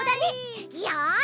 よし！